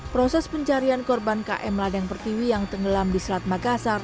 proses pencarian korban km ladang pertiwi yang tenggelam di selat makassar